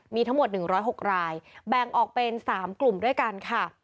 มีทั้งหมดหนึ่งร้อยหกรายแบ่งออกเป็นสามกลุ่มด้วยกันค่ะ